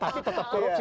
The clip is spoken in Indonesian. tapi tetap korupsi